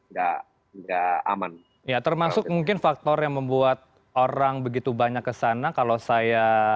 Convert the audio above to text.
enggak enggak aman ya termasuk mungkin faktor yang membuat orang begitu banyak kesana kalau saya